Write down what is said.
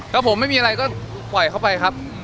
ครับผมไม่มีอะไรก็ไหวเข้าไปครับ